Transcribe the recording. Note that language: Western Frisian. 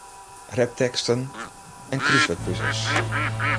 Rapteksten en krúswurdpuzels.